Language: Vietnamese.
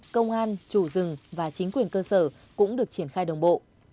công an chủ rừng và chính quyền cơ sở cũng được triển khai đồng bộ